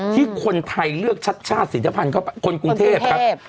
ที่คนไทยเลือกชัดชาติศิลภัณฑ์เข้าไปคนกรุงเทพครับ